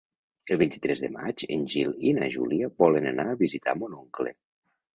El vint-i-tres de maig en Gil i na Júlia volen anar a visitar mon oncle.